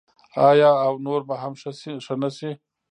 آیا او نور به هم ښه نشي؟